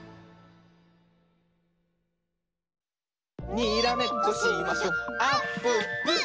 にらめっこしましょあっぷっぷ！